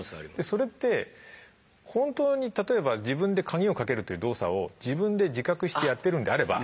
それって本当に例えば自分で鍵をかけるという動作を自分で自覚してやってるんであれば。